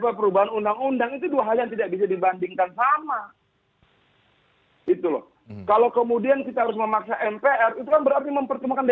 karena konstitusi membatasi masa jabatan presiden lima tahun